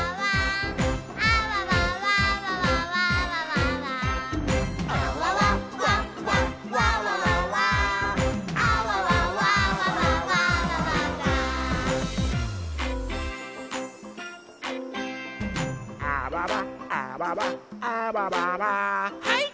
はい！